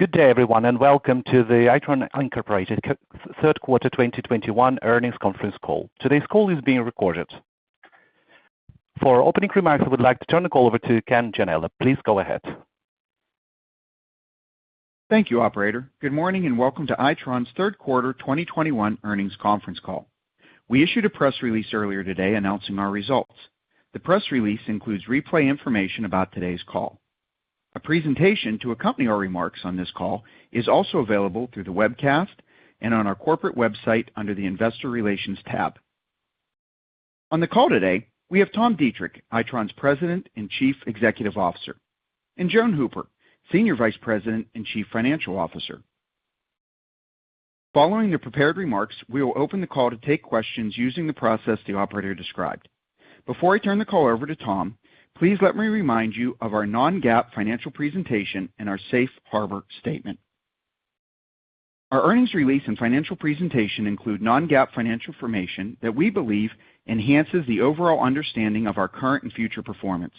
Good day, everyone, and welcome to the Itron Incorporated Third quarter 2021 Earnings Conference Call. Today's call is being recorded. For opening remarks, I would like to turn the call over to Ken Gianella. Please go ahead. Thank you, operator. Good morning, and welcome to Itron's Third Quarter 2021 Earnings Conference Call. We issued a press release earlier today announcing our results. The press release includes replay information about today's call. A presentation to accompany our remarks on this call is also available through the webcast and on our corporate website under the Investor Relations tab. On the call today, we have Tom Deitrich, Itron's President and Chief Executive Officer, and Joan Hooper, Senior Vice President and Chief Financial Officer. Following their prepared remarks, we will open the call to take questions using the process the operator described. Before I turn the call over to Tom, please let me remind you of our non-GAAP financial presentation and our safe harbor statement. Our earnings release and financial presentation include non-GAAP financial information that we believe enhances the overall understanding of our current and future performance.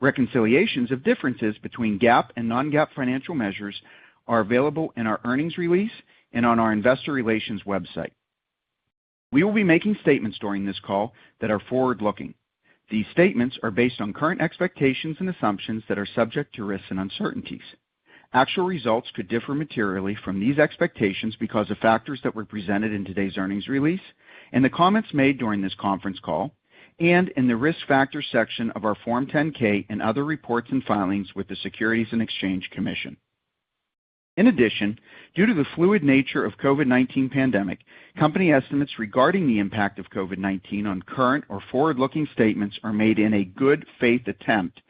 Reconciliations of differences between GAAP and non-GAAP financial measures are available in our earnings release and on our investor relations website. We will be making statements during this call that are forward-looking. These statements are based on current expectations and assumptions that are subject to risks and uncertainties. Actual results could differ materially from these expectations because of factors that were presented in today's earnings release and the comments made during this conference call and in the Risk Factors section of our Form 10-K and other reports and filings with the Securities and Exchange Commission. In addition, due to the fluid nature of COVID-19 pandemic, company estimates regarding the impact of COVID-19 on current or forward-looking statements are made in a good faith attempt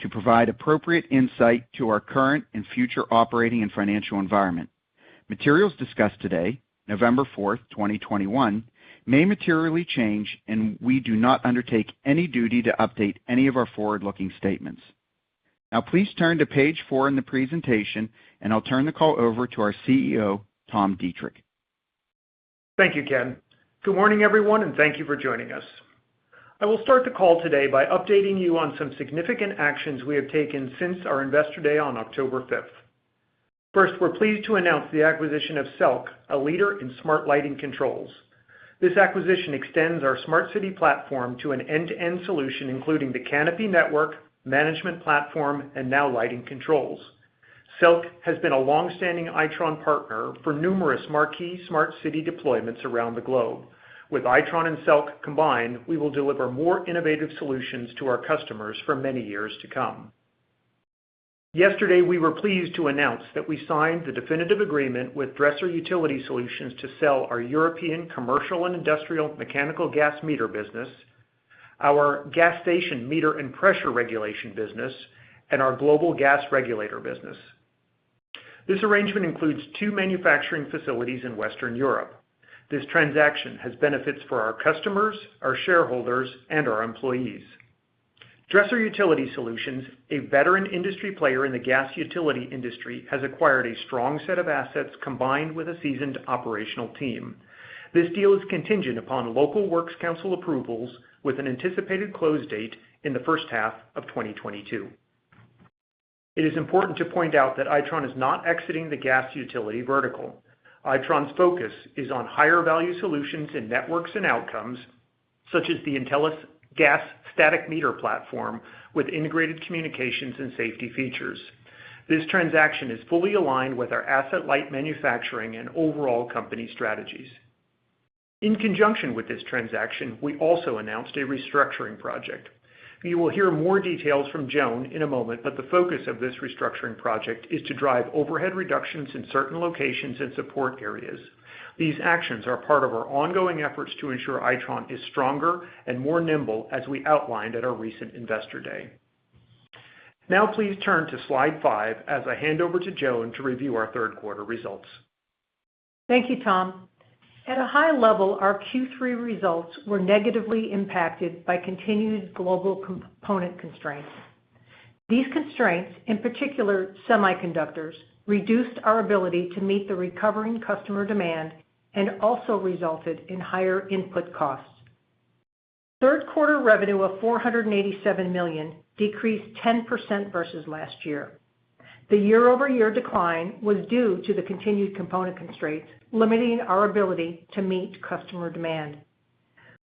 to provide appropriate insight to our current and future operating and financial environment. Materials discussed today, November 4th, 2021, may materially change, and we do not undertake any duty to update any of our forward-looking statements. Now please turn to page four in the presentation, and I'll turn the call over to our CEO, Tom Deitrich. Thank you, Ken. Good morning, everyone, and thank you for joining us. I will start the call today by updating you on some significant actions we have taken since our Investor Day on October 5th. First, we're pleased to announce the acquisition of SELC, a leader in smart lighting controls. This acquisition extends our smart city platform to an end-to-end solution, including the Riva network management platform, and now lighting controls. SELC has been a long-standing Itron partner for numerous marquee smart city deployments around the globe. With Itron and SELC combined, we will deliver more innovative solutions to our customers for many years to come. Yesterday, we were pleased to announce that we signed the definitive agreement with Dresser Utility Solutions to sell our European commercial and industrial mechanical gas meter business, our gas station meter and pressure regulation business, and our global gas regulator business. This arrangement includes two manufacturing facilities in Western Europe. This transaction has benefits for our customers, our shareholders, and our employees. Dresser Utility Solutions, a veteran industry player in the gas utility industry, has acquired a strong set of assets combined with a seasoned operational team. This deal is contingent upon local works council approvals with an anticipated close date in the first half of 2022. It is important to point out that Itron is not exiting the gas utility vertical. Itron's focus is on higher value solutions in networks and outcomes, such as the Intelis gas static meter platform with integrated communications and safety features. This transaction is fully aligned with our asset-light manufacturing and overall company strategies. In conjunction with this transaction, we also announced a restructuring project. You will hear more details from Joan in a moment, but the focus of this restructuring project is to drive overhead reductions in certain locations and support areas. These actions are part of our ongoing efforts to ensure Itron is stronger and more nimble as we outlined at our recent Investor Day. Now please turn to slide five as I hand over to Joan to review our third quarter results. Thank you, Tom. At a high level, our Q3 results were negatively impacted by continued global component constraints. These constraints, in particular semiconductors, reduced our ability to meet the recovering customer demand and also resulted in higher input costs. Third quarter revenue of $487 million decreased 10% versus last year. The year-over-year decline was due to the continued component constraints, limiting our ability to meet customer demand.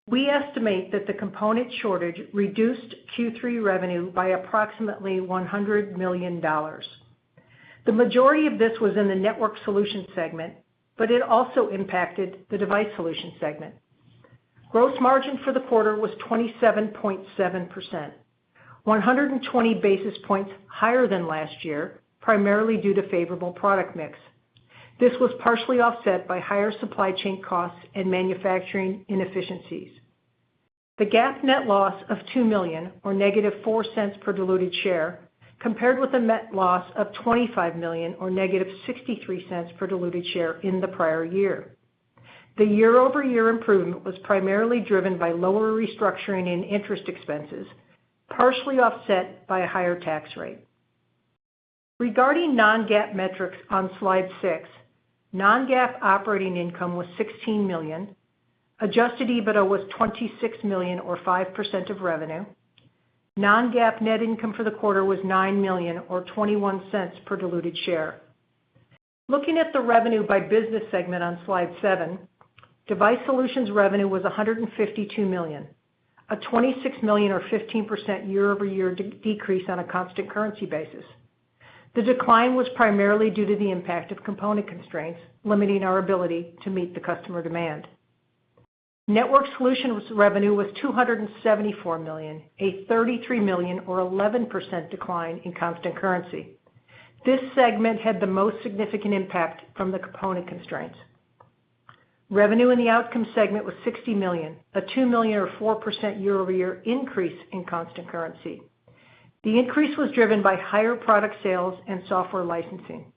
We estimate that the component shortage reduced Q3 revenue by approximately $100 million. The majority of this was in the Networked Solutions segment, but it also impacted the Device Solutions segment. Gross margin for the quarter was 27.7%, 120 basis points higher than last year, primarily due to favorable product mix. This was partially offset by higher supply chain costs and manufacturing inefficiencies. The GAAP net loss of $2 million or -$0.04 per diluted share compared with a net loss of $25 million or -$0.63 per diluted share in the prior year. The year-over-year improvement was primarily driven by lower restructuring and interest expenses, partially offset by a higher tax rate. Regarding non-GAAP metrics on Slide six, non-GAAP operating income was $16 million. Adjusted EBITDA was $26 million or 5% of revenue. Non-GAAP net income for the quarter was $9 million or $0.21 per diluted share. Looking at the revenue by business segment on Slide seven, Device Solutions revenue was $152 million, a $26 million or 15% year-over-year decrease on a constant currency basis. The decline was primarily due to the impact of component constraints limiting our ability to meet the customer demand. Networked Solutions' revenue was $274 million, a $33 million or 11% decline in constant currency. This segment had the most significant impact from the component constraints. Revenue in the Outcomes segment was $60 million, a $2 million or 4% year-over-year increase in constant currency. The increase was driven by higher product sales and software licensing.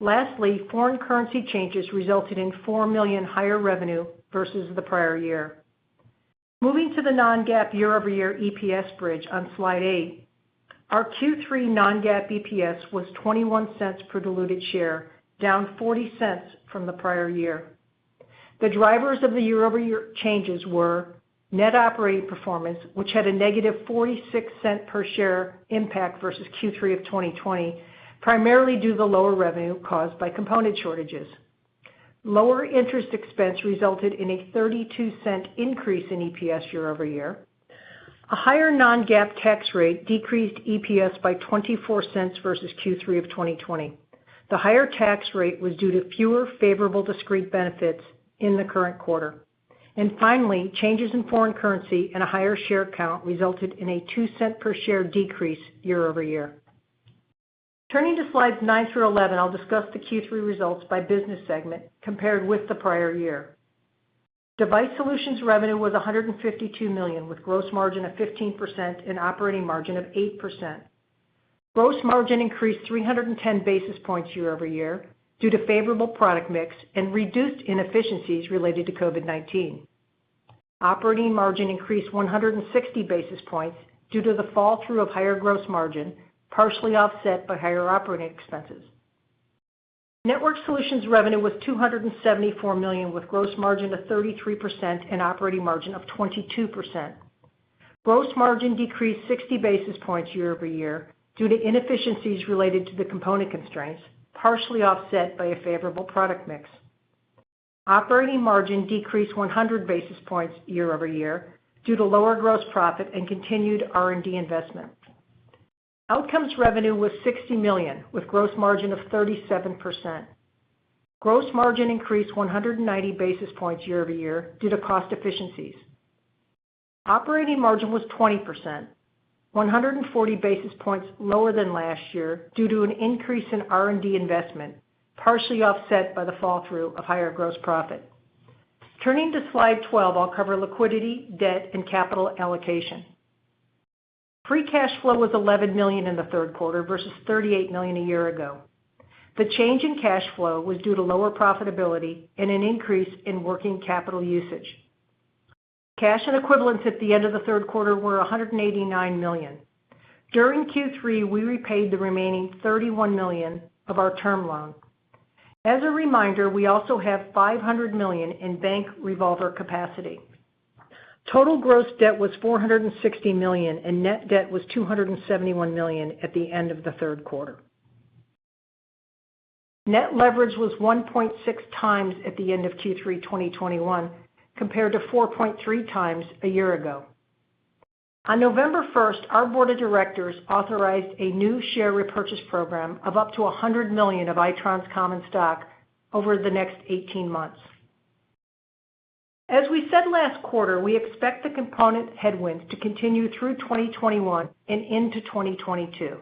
Lastly, foreign currency changes resulted in $4 million higher revenue versus the prior year. Moving to the non-GAAP year-over-year EPS bridge on Slide eight. Our Q3 non-GAAP EPS was $0.21 per diluted share, down $0.40 from the prior year. The drivers of the year-over-year changes were net operating performance, which had a -$0.46 Per share impact versus Q3 of 2020, primarily due to the lower revenue caused by component shortages. Lower interest expense resulted in a $0.32 Increase in EPS year-over-year. A higher non-GAAP tax rate decreased EPS by $0.24 versus Q3 of 2020. The higher tax rate was due to fewer favorable discrete benefits in the current quarter. Finally, changes in foreign currency and a higher share count resulted in a $0.02 per share decrease year-over-year. Turning to slides nine through 11, I'll discuss the Q3 results by business segment compared with the prior year. Device Solutions revenue was $152 million, with gross margin of 15% and operating margin of 8%. Gross margin increased 310 basis points year-over-year due to favorable product mix and reduced inefficiencies related to COVID-19. Operating margin increased 160 basis points due to the fall through of higher gross margin, partially offset by higher operating expenses. Networked Solutions revenue was $274 million, with gross margin of 33% and operating margin of 22%. Gross margin decreased 60 basis points year-over-year due to inefficiencies related to the component constraints, partially offset by a favorable product mix. Operating margin decreased 100 basis points year-over-year due to lower gross profit and continued R&D investment. Outcomes revenue was $60 million with gross margin of 37%. Gross margin increased 190 basis points year-over-year due to cost efficiencies. Operating margin was 20%, 140 basis points lower than last year due to an increase in R&D investment, partially offset by the flow-through of higher gross profit. Turning to slide 12, I'll cover liquidity, debt, and capital allocation. Free cash flow was $11 million in the third quarter versus $38 million a year ago. The change in cash flow was due to lower profitability and an increase in working capital usage. Cash and equivalents at the end of the third quarter were $189 million. During Q3, we repaid the remaining $31 million of our term loan. As a reminder, we also have $500 million in bank revolver capacity. Total gross debt was $460 million, and net debt was $271 million at the end of the third quarter. Net leverage was 1.6 times at the end of Q3 2021, compared to 4.3 times a year ago. On November first, our board of directors authorized a new share repurchase program of up to $100 million of Itron's common stock over the next eighteen months. As we said last quarter, we expect the component headwinds to continue through 2021 and into 2022.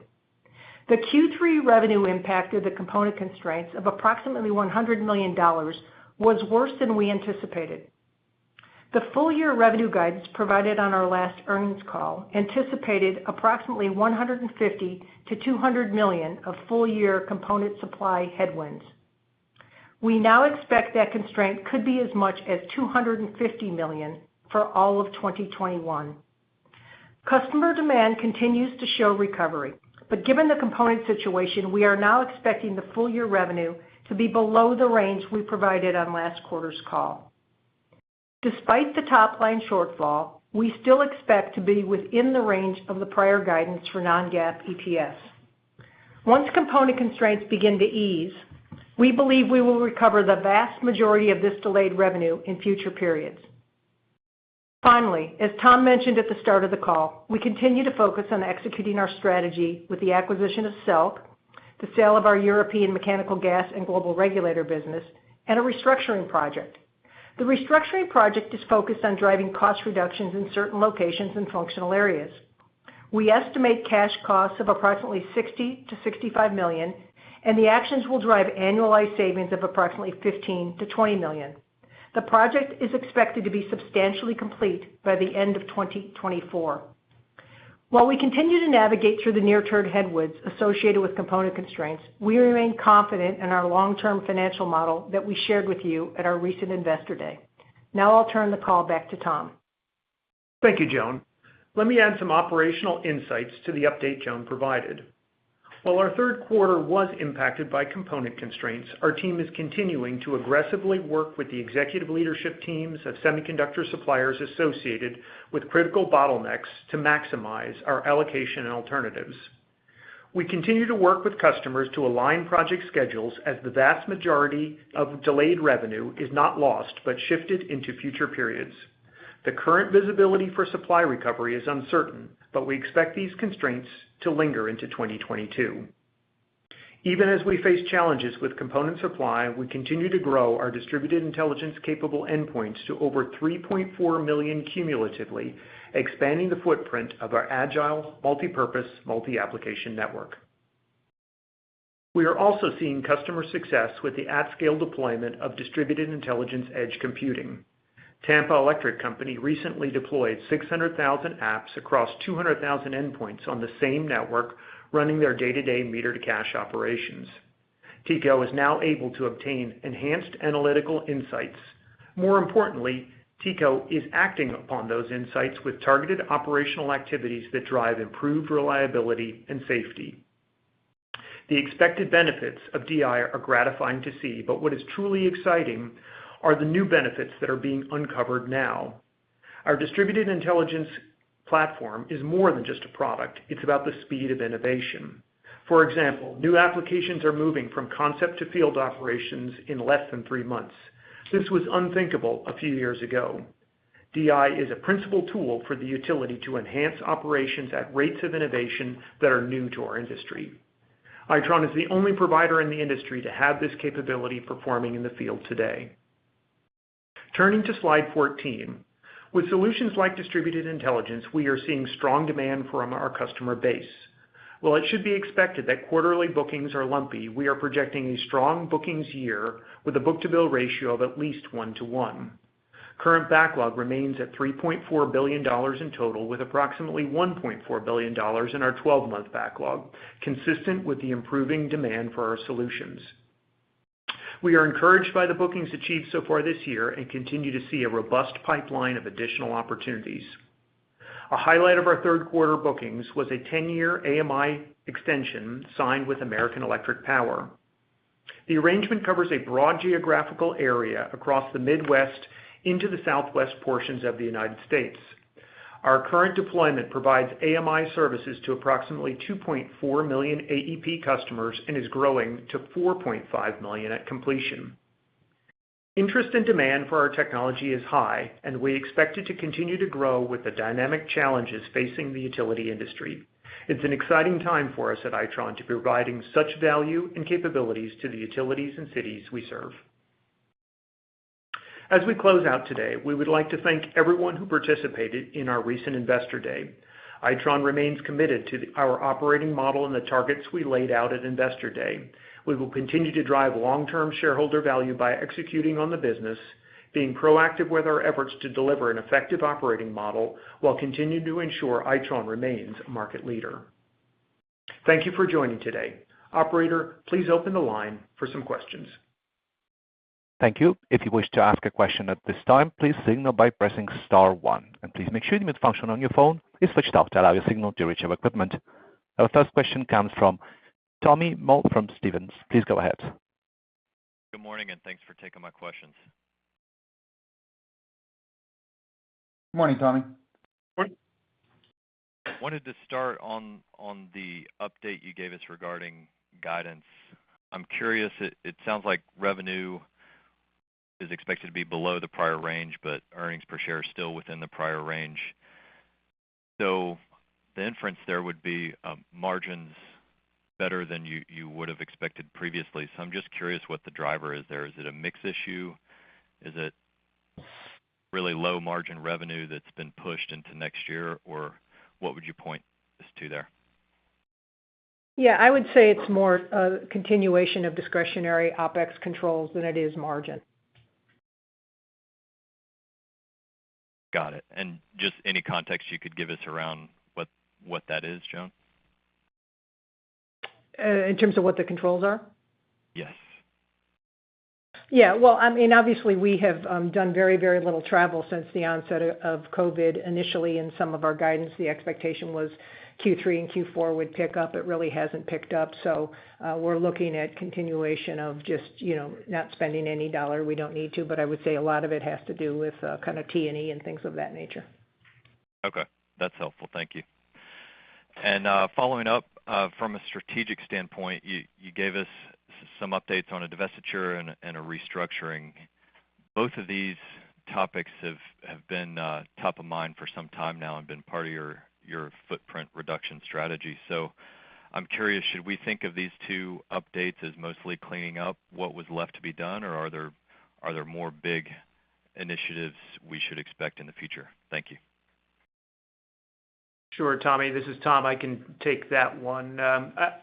The Q3 revenue impact of the component constraints of approximately $100 million was worse than we anticipated. The full year revenue guidance provided on our last earnings call anticipated approximately $150 million-$200 million of full year component supply headwinds. We now expect that constraint could be as much as $250 million for all of 2021. Customer demand continues to show recovery, but given the component situation, we are now expecting the full year revenue to be below the range we provided on last quarter's call. Despite the top-line shortfall, we still expect to be within the range of the prior guidance for non-GAAP EPS. Once component constraints begin to ease, we believe we will recover the vast majority of this delayed revenue in future periods. Finally, as Tom mentioned at the start of the call, we continue to focus on executing our strategy with the acquisition of SELC, the sale of our European Mechanical Gas and Global Regulator business, and a restructuring project. The restructuring project is focused on driving cost reductions in certain locations and functional areas. We estimate cash costs of approximately $60 million-$65 million, and the actions will drive annualized savings of approximately $15 million-$20 million. The project is expected to be substantially complete by the end of 2024. While we continue to navigate through the near-term headwinds associated with component constraints, we remain confident in our long-term financial model that we shared with you at our recent Investor Day. Now I'll turn the call back to Tom. Thank you, Joan. Let me add some operational insights to the update Joan provided. While our third quarter was impacted by component constraints, our team is continuing to aggressively work with the executive leadership teams of semiconductor suppliers associated with critical bottlenecks to maximize our allocation and alternatives. We continue to work with customers to align project schedules as the vast majority of delayed revenue is not lost, but shifted into future periods. The current visibility for supply recovery is uncertain, but we expect these constraints to linger into 2022. Even as we face challenges with component supply, we continue to grow our Distributed Intelligence-capable endpoints to over 3.4 million cumulatively, expanding the footprint of our agile, multipurpose, multi-application network. We are also seeing customer success with the at-scale deployment of Distributed Intelligence edge computing. Tampa Electric Company recently deployed 600,000 apps across 200,000 endpoints on the same network running their day-to-day meter to cash operations. TECO is now able to obtain enhanced analytical insights. More importantly, TECO is acting upon those insights with targeted operational activities that drive improved reliability and safety. The expected benefits of DI are gratifying to see, but what is truly exciting are the new benefits that are being uncovered now. Our distributed intelligence platform is more than just a product, it's about the speed of innovation. For example, new applications are moving from concept to field operations in less than three months. This was unthinkable a few years ago. DI is a principal tool for the utility to enhance operations at rates of innovation that are new to our industry. Itron is the only provider in the industry to have this capability performing in the field today. Turning to slide 14. With solutions like distributed intelligence, we are seeing strong demand from our customer base. While it should be expected that quarterly bookings are lumpy, we are projecting a strong bookings year with a book-to-bill ratio of at least 1:1. Current backlog remains at $3.4 billion in total, with approximately $1.4 billion in our 12-month backlog, consistent with the improving demand for our solutions. We are encouraged by the bookings achieved so far this year and continue to see a robust pipeline of additional opportunities. A highlight of our third quarter bookings was a 10-year AMI extension signed with American Electric Power. The arrangement covers a broad geographical area across the Midwest into the Southwest portions of the United States. Our current deployment provides AMI services to approximately 2.4 million AEP customers and is growing to 4.5 million at completion. Interest and demand for our technology is high, and we expect it to continue to grow with the dynamic challenges facing the utility industry. It's an exciting time for us at Itron to be providing such value and capabilities to the utilities and cities we serve. As we close out today, we would like to thank everyone who participated in our recent Investor Day. Itron remains committed to our operating model and the targets we laid out at Investor Day. We will continue to drive long-term shareholder value by executing on the business, being proactive with our efforts to deliver an effective operating model, while continuing to ensure Itron remains a market leader. Thank you for joining today. Operator, please open the line for some questions. Thank you. If you wish to ask a question at this time, please signal by pressing star one. Please make sure the mute function on your phone is switched off to allow your signal to reach our equipment. Our first question comes from Tommy Moll from Stephens. Please go ahead. Good morning, and thanks for taking my questions. Morning, Tommy. Wanted to start on the update you gave us regarding guidance. I'm curious. It sounds like revenue is expected to be below the prior range, but earnings per share is still within the prior range. The inference there would be margins better than you would have expected previously. I'm just curious what the driver is there. Is it a mix issue? Is it really low-margin revenue that's been pushed into next year? Or what would you point us to there? Yeah, I would say it's more a continuation of discretionary OpEx controls than it is margin. Got it. Just any context you could give us around what that is, Joan? In terms of what the controls are? Yes. Well, I mean, obviously, we have done very, very little travel since the onset of COVID. Initially, in some of our guidance, the expectation was Q3 and Q4 would pick up. It really hasn't picked up. We're looking at continuation of just, you know, not spending any dollar we don't need to. I would say a lot of it has to do with kind of T&E and things of that nature. Okay. That's helpful. Thank you. Following up from a strategic standpoint, you gave us some updates on a divestiture and a restructuring. Both of these topics have been top of mind for some time now and been part of your footprint reduction strategy. I'm curious, should we think of these two updates as mostly cleaning up what was left to be done, or are there more big initiatives we should expect in the future? Thank you. Sure, Tommy. This is Tom. I can take that one.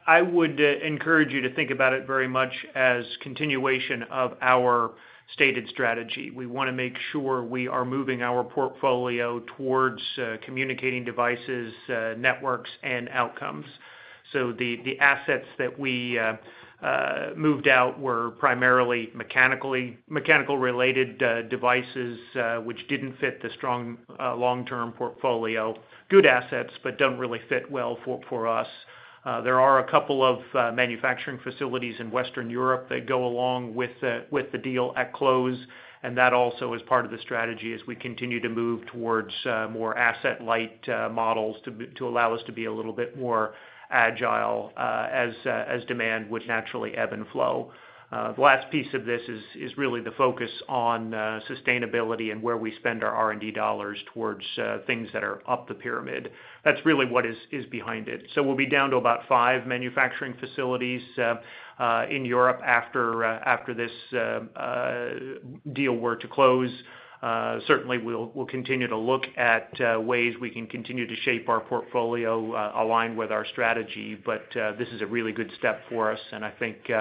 I would encourage you to think about it very much as continuation of our stated strategy. We wanna make sure we are moving our portfolio towards communicating devices, networks, and outcomes. The assets that we moved out were primarily mechanical related devices, which didn't fit the strong long-term portfolio. Good assets, but don't really fit well for us. There are a couple of manufacturing facilities in Western Europe that go along with the deal at close, and that also is part of the strategy as we continue to move towards more asset light models to allow us to be a little bit more agile as demand would naturally ebb and flow. The last piece of this is really the focus on sustainability and where we spend our R&D dollars towards things that are up the pyramid. That's really what is behind it. We'll be down to about five manufacturing facilities in Europe after this deal were to close. Certainly we'll continue to look at ways we can continue to shape our portfolio aligned with our strategy. This is a really good step for us. I think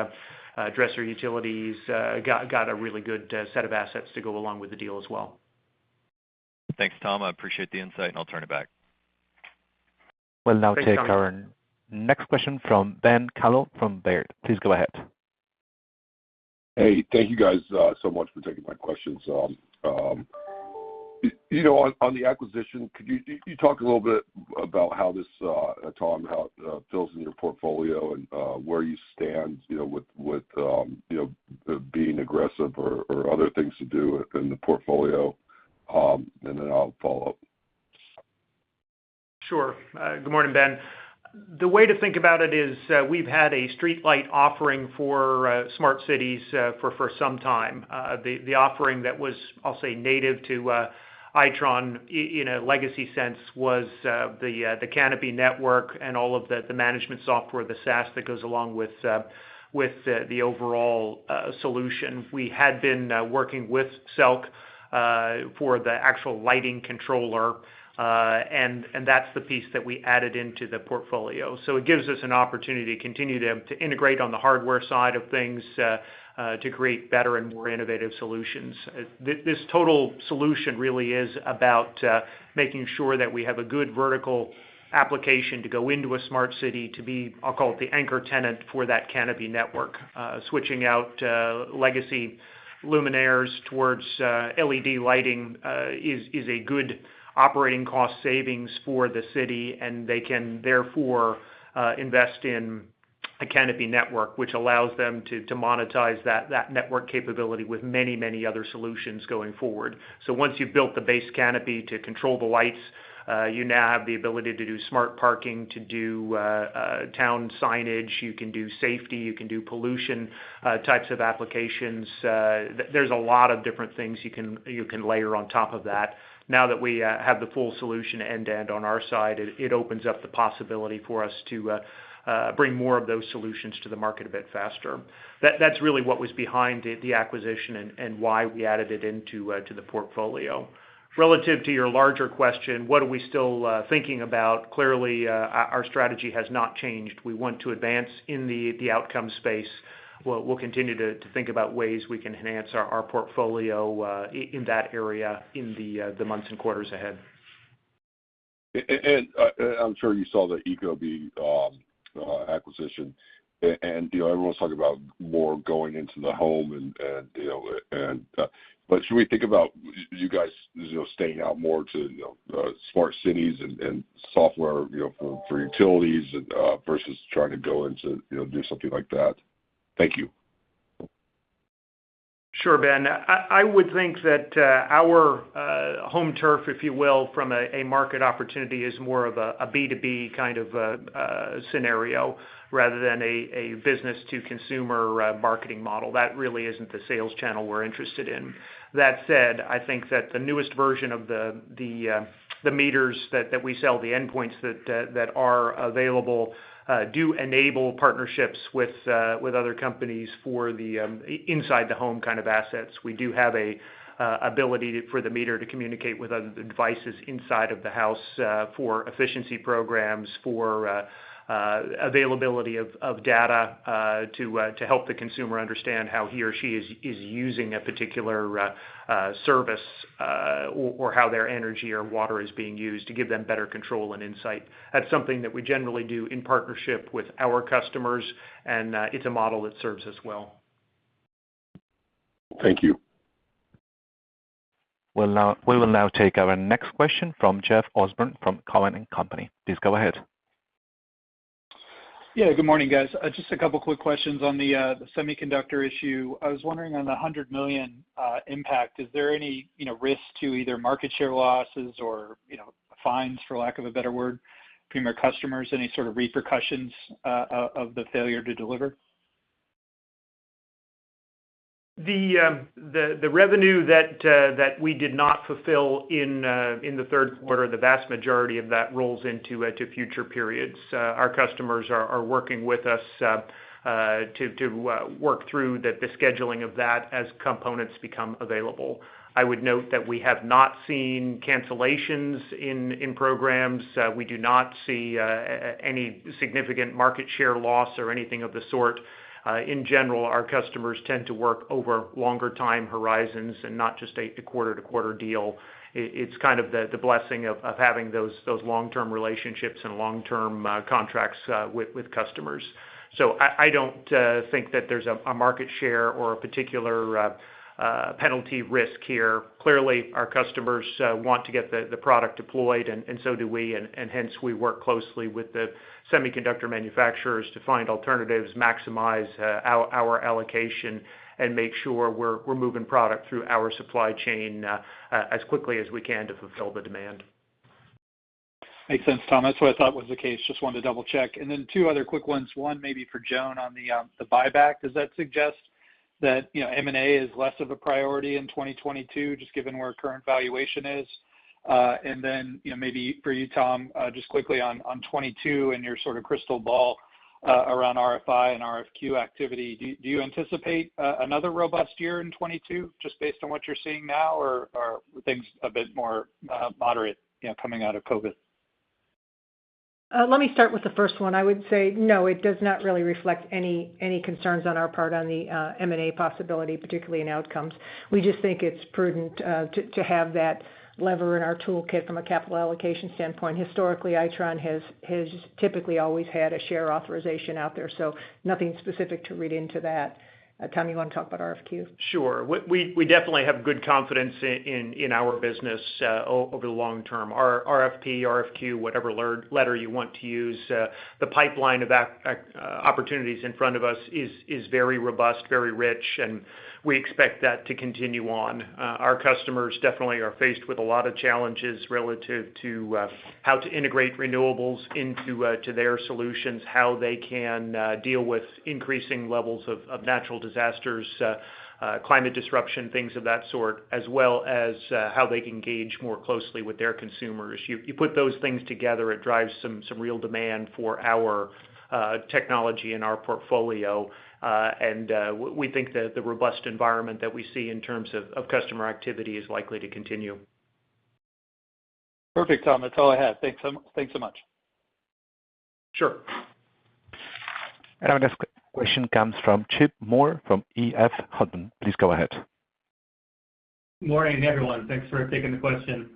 Dresser Utility Solutions got a really good set of assets to go along with the deal as well. Thanks, Tom. I appreciate the insight, and I'll turn it back. We'll now take our next question from Ben Kallo from Baird. Please go ahead. Hey, thank you guys so much for taking my questions. You know, on the acquisition, could you talk a little bit about how this, Tom, how it fills in your portfolio and where you stand, you know, with you know, being aggressive or other things to do in the portfolio? Then I'll follow up. Sure. Good morning, Ben. The way to think about it is, we've had a streetlight offering for smart cities for some time. The offering that was, I'll say, native to Itron in a legacy sense was the Riva network and all of the management software, the SaaS that goes along with the overall solution. We had been working with SELC for the actual lighting controller. That's the piece that we added into the portfolio. It gives us an opportunity to continue to integrate on the hardware side of things to create better and more innovative solutions. This total solution really is about making sure that we have a good vertical application to go into a smart city to be, I'll call it, the anchor tenant for that Riva network. Switching out legacy luminaires towards LED lighting is a good operating cost savings for the city, and they can therefore invest in a Riva network, which allows them to monetize that network capability with many other solutions going forward. Once you've built the base Riva to control the lights, you now have the ability to do smart parking, to do town signage. You can do safety. You can do pollution types of applications. There's a lot of different things you can layer on top of that. Now that we have the full solution end-to-end on our side, it opens up the possibility for us to bring more of those solutions to the market a bit faster. That's really what was behind the acquisition and why we added it into the portfolio. Relative to your larger question, what are we still thinking about? Clearly, our strategy has not changed. We want to advance in the Outcomes space. We'll continue to think about ways we can enhance our portfolio in that area in the months and quarters ahead. I'm sure you saw the Ecobee acquisition. You know, everyone's talking about more going into the home and, you know, and. Should we think about you guys, you know, staying out more to, you know, smart cities and software, you know, for utilities and versus trying to go into, you know, do something like that? Thank you. Sure, Ben. I would think that our home turf, if you will, from a market opportunity, is more of a B2B kind of scenario rather than a business to consumer marketing model. That really isn't the sales channel we're interested in. That said, I think that the newest version of the meters that we sell, the endpoints that are available, do enable partnerships with other companies for the inside the home kind of assets. We do have an ability for the meter to communicate with other devices inside of the house for efficiency programs, for availability of data to help the consumer understand how he or she is using a particular service or how their energy or water is being used to give them better control and insight. That's something that we generally do in partnership with our customers, and it's a model that serves us well. Thank you. We will now take our next question from Jeff Osborne from Cowen and Company. Please go ahead. Yeah, good morning, guys. Just a couple quick questions on the semiconductor issue. I was wondering on the $100 million impact, is there any, you know, risk to either market share losses or, you know, fines, for lack of a better word, from your customers? Any sort of repercussions of the failure to deliver? The revenue that we did not fulfill in the third quarter, the vast majority of that rolls into future periods. Our customers are working with us to work through the scheduling of that as components become available. I would note that we have not seen cancellations in programs. We do not see any significant market share loss or anything of the sort. In general, our customers tend to work over longer time horizons and not just a quarter-to-quarter deal. It's kind of the blessing of having those long-term relationships and long-term contracts with customers. I don't think that there's a market share or a particular penalty risk here. Clearly, our customers want to get the product deployed and so do we. Hence we work closely with the semiconductor manufacturers to find alternatives, maximize our allocation, and make sure we're moving product through our supply chain as quickly as we can to fulfill the demand. Makes sense, Tom. That's what I thought was the case. Just wanted to double-check. Then two other quick ones, one maybe for Joan on the buyback. Does that suggest that, you know, M&A is less of a priority in 2022, just given where current valuation is? Then, you know, maybe for you, Tom, just quickly on 2022 and your sort of crystal ball around RFI and RFQ activity. Do you anticipate another robust year in 2022 just based on what you're seeing now or are things a bit more moderate, you know, coming out of COVID? Let me start with the first one. I would say no, it does not really reflect any concerns on our part on the M&A possibility, particularly in Outcomes. We just think it's prudent to have that lever in our toolkit from a capital allocation standpoint. Historically, Itron has typically always had a share authorization out there, so nothing specific to read into that. Tom, you wanna talk about RFQ? Sure. We definitely have good confidence in our business over the long term. Our RFP, RFQ, whatever letter you want to use, the pipeline of opportunities in front of us is very robust, very rich, and we expect that to continue on. Our customers definitely are faced with a lot of challenges relative to how to integrate renewables into their solutions, how they can deal with increasing levels of natural disasters, climate disruption, things of that sort, as well as how they can engage more closely with their consumers. You put those things together, it drives some real demand for our technology and our portfolio. We think that the robust environment that we see in terms of customer activity is likely to continue. Perfect, Tom. That's all I had. Thanks so much. Sure. Our next question comes from Chip Moore from EF Hutton. Please go ahead. Morning, everyone. Thanks for taking the question.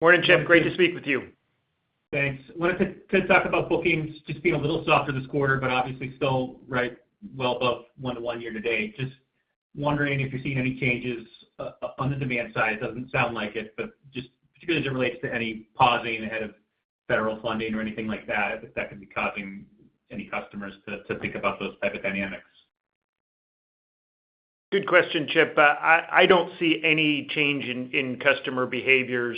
Morning, Chip. Great to speak with you. Thanks. Wanted to talk about bookings just being a little softer this quarter, but obviously still right well above 1-to-1 year to date. Just wondering if you're seeing any changes on the demand side. Doesn't sound like it, but just particularly as it relates to any pausing ahead of federal funding or anything like that, if that could be causing any customers to think about those type of dynamics. Good question, Chip. I don't see any change in customer behaviors.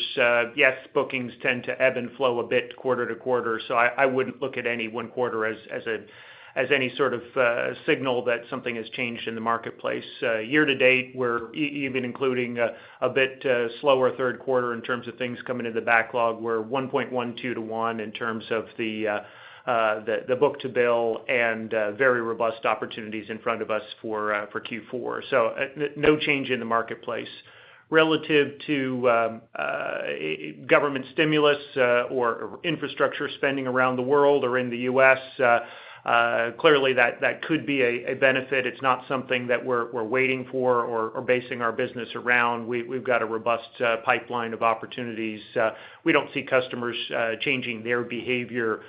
Yes, bookings tend to ebb and flow a bit quarter to quarter. I wouldn't look at any one quarter as any sort of signal that something has changed in the marketplace. Year to date, we're even including a bit slower third quarter in terms of things coming into the backlog. We're 1.12 -1 in terms of the book to bill and very robust opportunities in front of us for Q4. No change in the marketplace. Relative to government stimulus or infrastructure spending around the world or in the U.S., clearly that could be a benefit. It's not something that we're waiting for or basing our business around. We've got a robust pipeline of opportunities. We don't see customers changing their behavior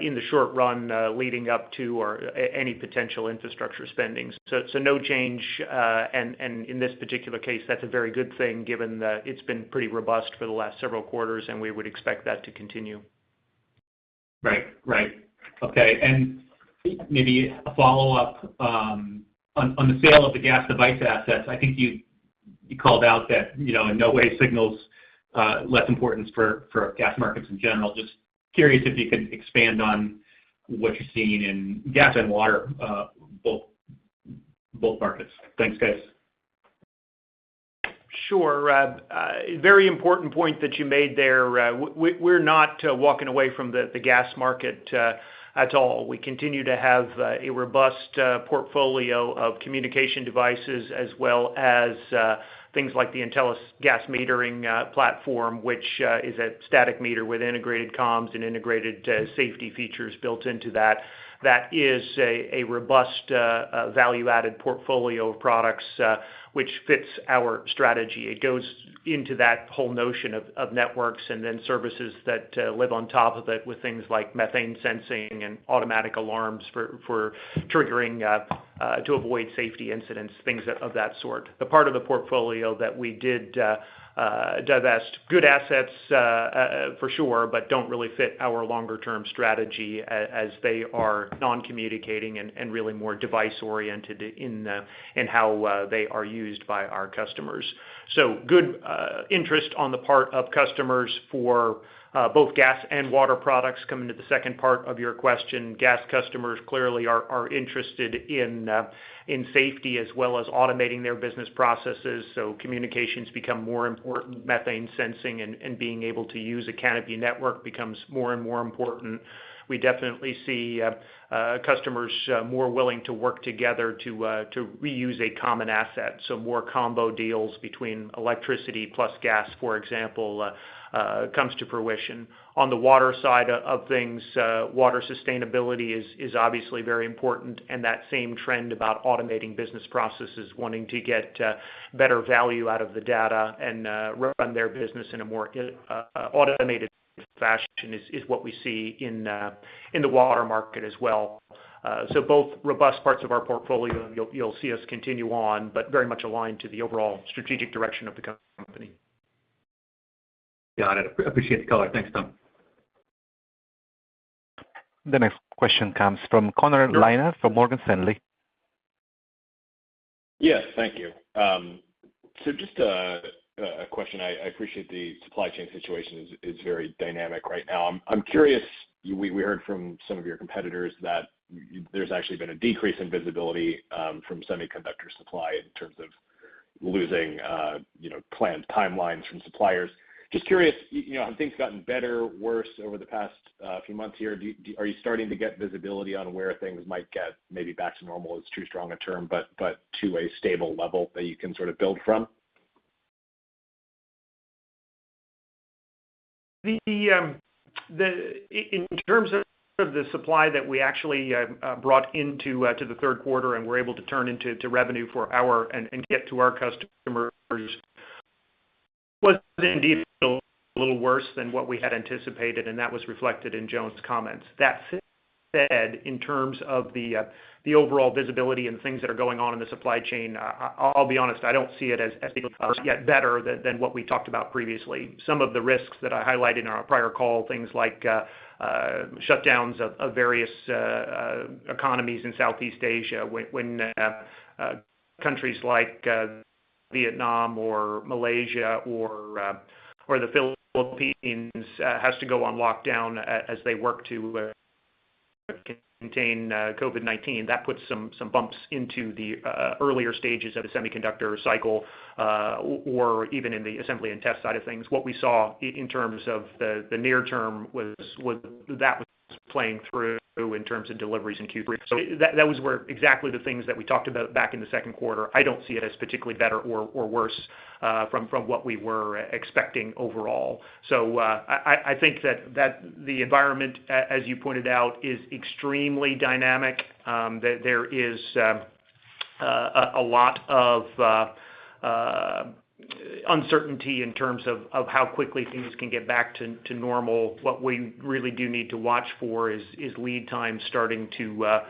in the short run leading up to or any potential infrastructure spending. So no change. And in this particular case, that's a very good thing given that it's been pretty robust for the last several quarters, and we would expect that to continue. Right. Right. Okay. Maybe a follow-up on the sale of the gas device assets. I think you called out that, you know, in no way signals less importance for gas markets in general. Just curious if you could expand on what you're seeing in gas and water, both markets. Thanks, guys. Sure. Very important point that you made there. We're not walking away from the gas market at all. We continue to have a robust portfolio of communication devices as well as things like the Intelis gas metering platform, which is a static meter with integrated comms and integrated safety features built into that. That is a robust value-added portfolio of products, which fits our strategy. It goes into that whole notion of networks and then services that live on top of it with things like methane sensing and automatic alarms for triggering to avoid safety incidents, things of that sort. The part of the portfolio that we did divest, good assets, for sure, but don't really fit our longer-term strategy as they are non-communicating and really more device-oriented in how they are used by our customers. Good interest on the part of customers for both gas and water products. Coming to the second part of your question, gas customers clearly are interested in safety as well as automating their business processes, so communications become more important. Methane sensing and being able to use a Riva network becomes more and more important. We definitely see customers more willing to work together to reuse a common asset. More combo deals between electricity plus gas, for example, comes to fruition. On the water side of things, water sustainability is obviously very important, and that same trend about automating business processes, wanting to get better value out of the data and run their business in a more automated fashion is what we see in the water market as well. Both robust parts of our portfolio, you'll see us continue on, but very much aligned to the overall strategic direction of the company. Got it. Appreciate the color. Thanks, Tom. The next question comes from Connor Lynagh from Morgan Stanley. Yes, thank you. Just a question. I appreciate the supply chain situation is very dynamic right now. I'm curious, we heard from some of your competitors that there's actually been a decrease in visibility from semiconductor supply in terms of losing, you know, planned timelines from suppliers. Just curious, you know, have things gotten better, worse over the past few months here? Are you starting to get visibility on where things might get maybe back to normal, it's too strong a term, but to a stable level that you can sort of build from? In terms of the supply that we actually brought into the third quarter and were able to turn into revenue and get to our customers was indeed a little worse than what we had anticipated, and that was reflected in Joan's comments. That said, in terms of the overall visibility and things that are going on in the supply chain, I'll be honest, I don't see it as yet better than what we talked about previously. Some of the risks that I highlighted in our prior call, things like shutdowns of various economies in Southeast Asia when countries like Vietnam or Malaysia or the Philippines has to go on lockdown as they work to contain COVID-19, that puts some bumps into the earlier stages of a semiconductor cycle or even in the assembly and test side of things. What we saw in terms of the near term was that was playing through in terms of deliveries in Q3. That was where exactly the things that we talked about back in the second quarter. I don't see it as particularly better or worse from what we were expecting overall. I think that the environment as you pointed out is extremely dynamic. There is a lot of uncertainty in terms of how quickly things can get back to normal. What we really do need to watch for is lead time starting to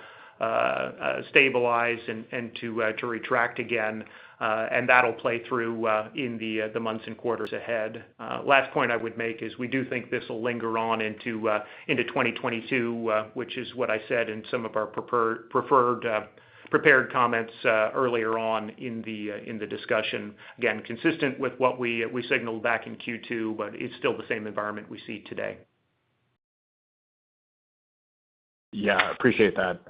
stabilize and to contract again, and that'll play through in the months and quarters ahead. Last point I would make is we do think this will linger on into 2022, which is what I said in some of our pre-prepared comments earlier on in the discussion. Again, consistent with what we signaled back in Q2, but it's still the same environment we see today. Yeah, appreciate that.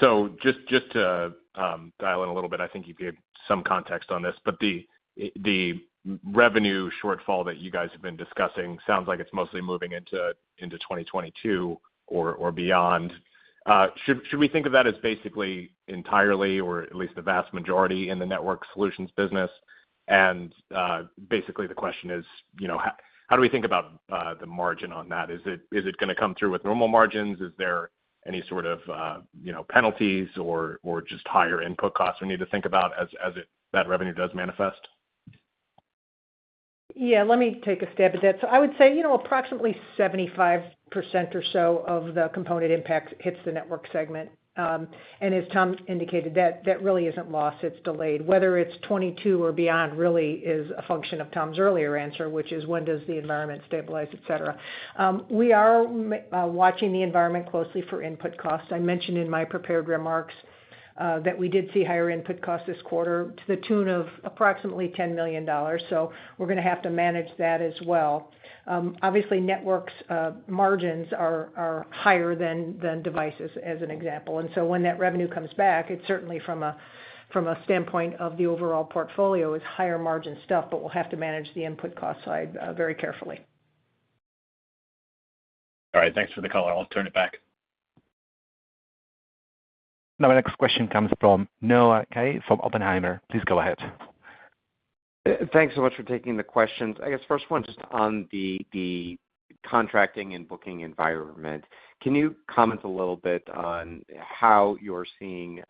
So just to dial in a little bit, I think you gave some context on this, but the revenue shortfall that you guys have been discussing sounds like it's mostly moving into 2022 or beyond. Should we think of that as basically entirely or at least the vast majority in the Networked Solutions business? Basically the question is, you know, how do we think about the margin on that? Is it going to come through with normal margins? Is there any sort of, you know, penalties or just higher input costs we need to think about as that revenue does manifest? Yeah, let me take a stab at that. I would say, you know, approximately 75% or so of the component impact hits the network segment. As Tom indicated, that really isn't lost, it's delayed. Whether it's 2022 or beyond really is a function of Tom's earlier answer, which is when does the environment stabilize, et cetera. We are watching the environment closely for input costs. I mentioned in my prepared remarks, that we did see higher input costs this quarter to the tune of approximately $10 million. We're going to have to manage that as well. Obviously, networks margins are higher than devices as an example. When that revenue comes back, it's certainly from a standpoint of the overall portfolio is higher margin stuff, but we'll have to manage the input cost side very carefully. All right. Thanks for the color. I'll turn it back. Now our next question comes from Noah Kaye from Oppenheimer. Please go ahead. Thanks so much for taking the questions. I guess first one, just on the contracting and booking environment. Can you comment a little bit on how you're seeing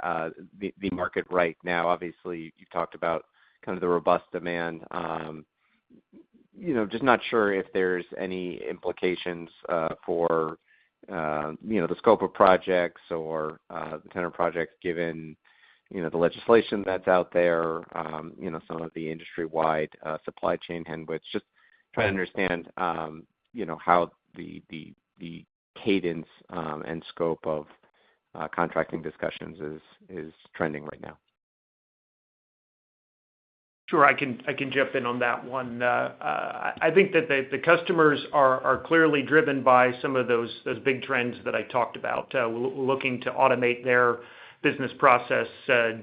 the market right now? Obviously, you've talked about kind of the robust demand. You know, just not sure if there's any implications for you know, the scope of projects or the tenor of projects given you know, the legislation that's out there, you know, some of the industry-wide supply chain headwinds. Just trying to understand, you know, how the cadence and scope of contracting discussions is trending right now. Sure. I can jump in on that one. I think that the customers are clearly driven by some of those big trends that I talked about. Looking to automate their business process,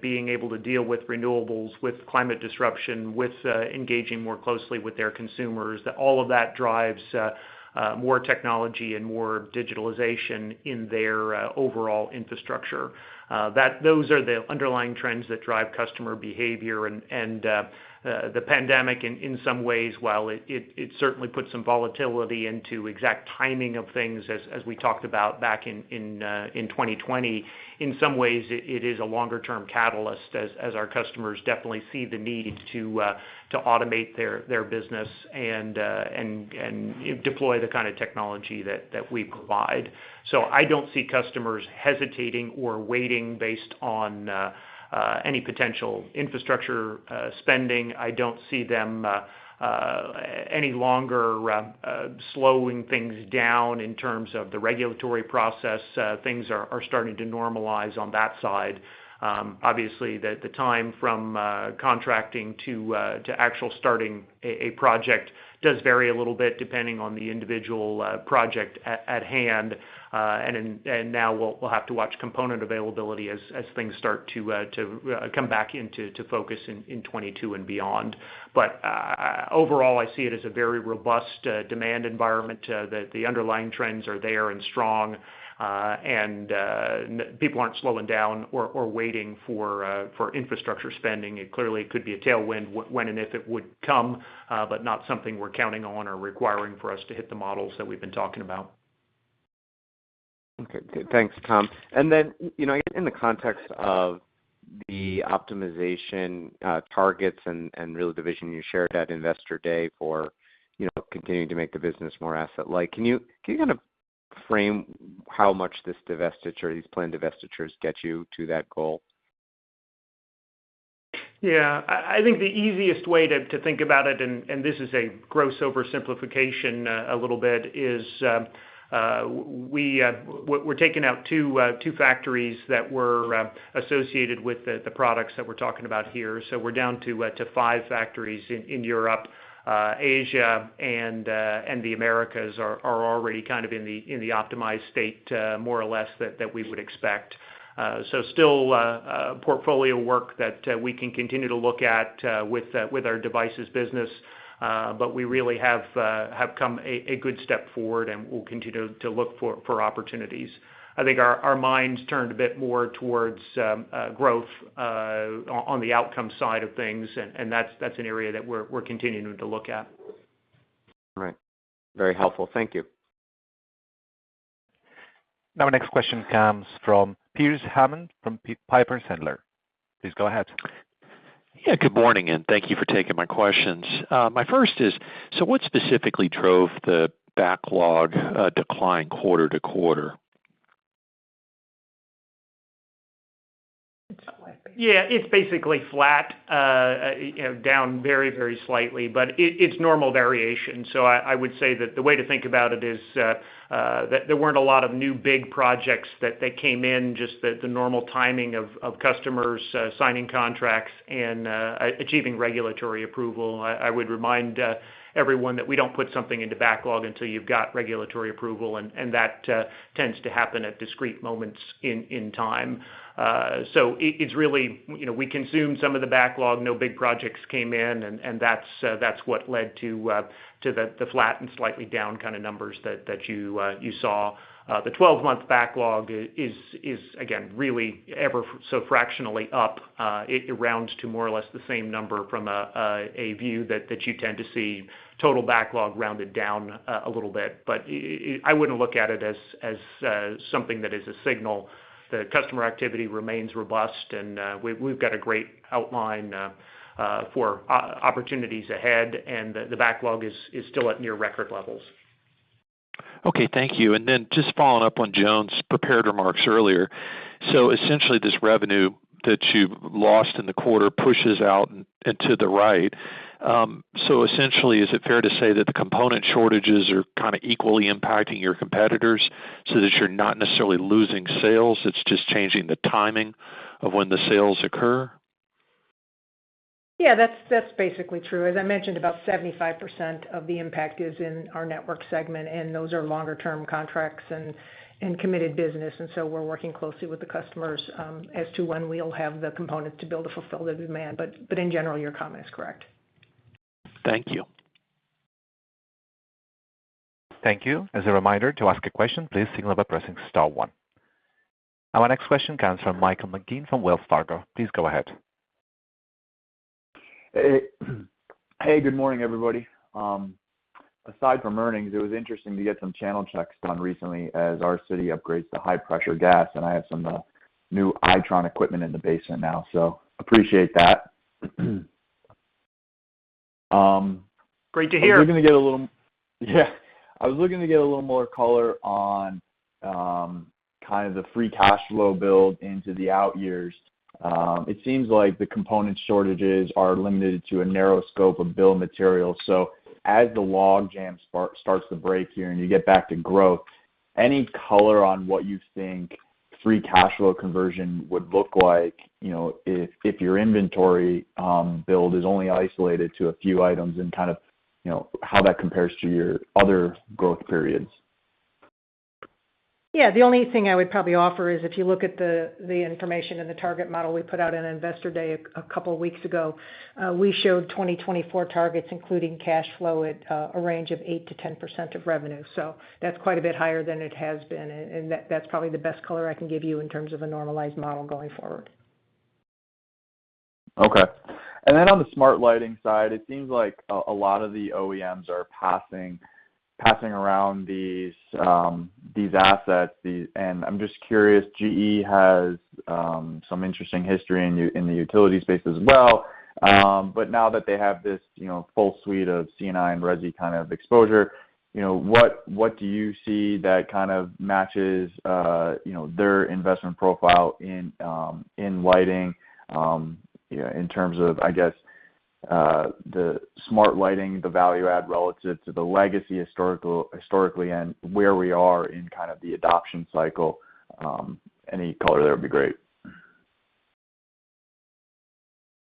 being able to deal with renewables, with climate disruption, with engaging more closely with their consumers. All of that drives more technology and more digitalization in their overall infrastructure. Those are the underlying trends that drive customer behavior and the pandemic in some ways, while it certainly puts some volatility into exact timing of things as we talked about back in 2020. In some ways, it is a longer-term catalyst as our customers definitely see the need to automate their business and deploy the kind of technology that we provide. I don't see customers hesitating or waiting based on any potential infrastructure spending. I don't see them any longer slowing things down in terms of the regulatory process. Things are starting to normalize on that side. Obviously, the time from contracting to actual starting a project does vary a little bit depending on the individual project at hand. Now we'll have to watch component availability as things start to come back into focus in 2022 and beyond. Overall, I see it as a very robust demand environment, the underlying trends are there and strong, and people aren't slowing down or waiting for infrastructure spending. It clearly could be a tailwind when and if it would come, but not something we're counting on or requiring for us to hit the models that we've been talking about. Okay. Good. Thanks, Tom. Then, you know, in the context of the optimization targets and real division you shared at Investor Day for, you know, continuing to make the business more asset light, can you kind of frame how much this divestiture, these planned divestitures get you to that goal? I think the easiest way to think about it, and this is a gross oversimplification, a little bit, is we're taking out two factories that were associated with the products that we're talking about here. We're down to five factories in Europe, Asia, and the Americas are already kind of in the optimized state, more or less that we would expect. Still, portfolio work that we can continue to look at with our devices business. We really have come a good step forward, and we'll continue to look for opportunities. I think our minds turned a bit more towards growth on the Outcomes side of things, and that's an area that we're continuing to look at. All right. Very helpful. Thank you. Our next question comes from Pearce Hammond from Piper Sandler. Please go ahead. Yeah, good morning, and thank you for taking my questions. My first question is, what specifically drove the backlog decline quarter to quarter? Yeah. It's basically flat, you know, down very, very slightly, but it's normal variation. I would say that the way to think about it is that there weren't a lot of new big projects that they came in, just the normal timing of customers signing contracts and achieving regulatory approval. I would remind everyone that we don't put something into backlog until you've got regulatory approval, and that tends to happen at discrete moments in time. It's really you know, we consume some of the backlog, no big projects came in, and that's what led to the flat and slightly down kind of numbers that you saw. The 12-month backlog is again, really ever so fractionally up. It rounds to more or less the same number from a view that you tend to see total backlog rounded down a little bit. I wouldn't look at it as something that is a signal. The customer activity remains robust and we've got a great outline for opportunities ahead, and the backlog is still at near record levels. Okay, thank you. Just following up on Joan's prepared remarks earlier. Essentially, this revenue that you've lost in the quarter pushes out and to the right. Essentially, is it fair to say that the component shortages are kind of equally impacting your competitors so that you're not necessarily losing sales, it's just changing the timing of when the sales occur? Yeah, that's basically true. As I mentioned, about 75% of the impact is in our network segment, and those are longer term contracts and committed business. We're working closely with the customers as to when we'll have the components to be able to fulfill the demand. In general, your comment is correct. Thank you. Thank you. As a reminder, to ask a question, please signal by pressing star one. Our next question comes from Michael McGinn from Wells Fargo. Please go ahead. Hey. Hey, good morning, everybody. Aside from earnings, it was interesting to get some channel checks done recently as our city upgrades to high pressure gas, and I have some new Itron equipment in the basement now. Appreciate that. Great to hear. I was looking to get a little more color on kind of the free cash flow build into the out years. It seems like the component shortages are limited to a narrow scope of bill of materials. As the log jam starts to break here and you get back to growth, any color on what you think free cash flow conversion would look like, you know, if your inventory build is only isolated to a few items and kind of, you know, how that compares to your other growth periods? Yeah. The only thing I would probably offer is if you look at the information in the target model we put out in Investor Day a couple weeks ago, we showed 2024 targets, including cash flow at a range of 8%-10% of revenue. That's quite a bit higher than it has been, and that's probably the best color I can give you in terms of a normalized model going forward. Okay. Then on the smart lighting side, it seems like a lot of the OEMs are passing around these assets. I'm just curious, GE has some interesting history in the utility space as well. Now that they have this, you know, full suite of C&I and resi kind of exposure, you know, what do you see that kind of matches their investment profile in lighting, you know, in terms of the smart lighting, the value add relative to the legacy historically and where we are in kind of the adoption cycle? Any color there would be great.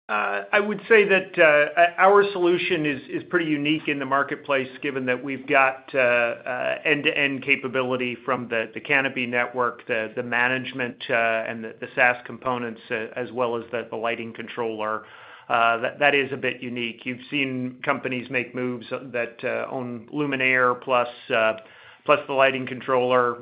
I would say that our solution is pretty unique in the marketplace, given that we've got end-to-end capability from the Riva network, the management, and the SaaS components, as well as the lighting controller. That is a bit unique. You've seen companies make moves that own luminaire plus the lighting controller,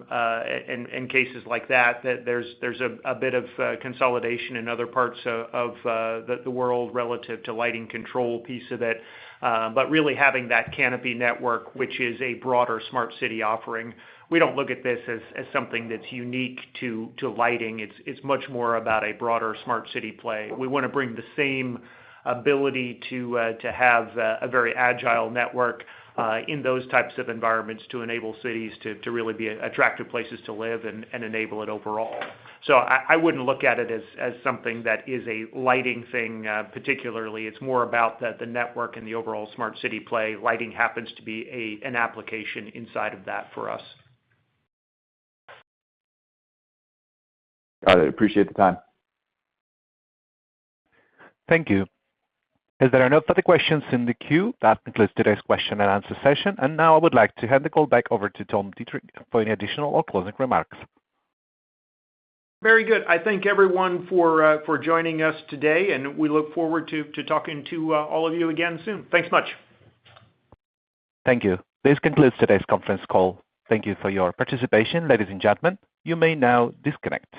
in cases like that, there's a bit of consolidation in other parts of the world relative to lighting control piece of it. But really having that Riva network, which is a broader smart city offering, we don't look at this as something that's unique to lighting. It's much more about a broader smart city play. We wanna bring the same ability to have a very agile network in those types of environments to enable cities to really be attractive places to live and enable it overall. I wouldn't look at it as something that is a lighting thing, particularly. It's more about the network and the overall smart city play. Lighting happens to be an application inside of that for us. Got it. I appreciate the time. Thank you. As there are no further questions in the queue, that concludes today's question and answer session. Now I would like to hand the call back over to Tom Deitrich for any additional or closing remarks. Very good. I thank everyone for joining us today, and we look forward to talking to all of you again soon. Thanks much. Thank you. This concludes today's conference call. Thank you for your participation. Ladies and gentlemen, you may now disconnect.